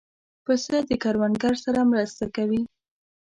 پسه د کروندګر سره مرسته کوي.